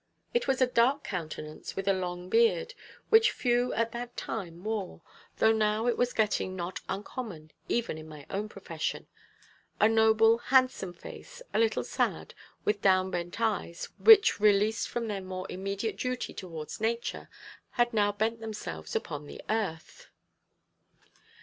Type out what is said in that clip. It was a dark countenance, with a long beard, which few at that time wore, though now it is getting not uncommon, even in my own profession a noble, handsome face, a little sad, with downbent eyes, which, released from their more immediate duty towards nature, had now bent themselves upon the earth.